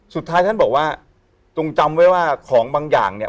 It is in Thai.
สุดท้ายท่านบอกว่าจงจำไว้ว่าของบางอย่างเนี่ย